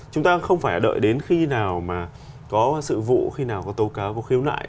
chúng ta không phải đợi đến khi nào mà có sự vụ khi nào có tố cáo có khiếu nại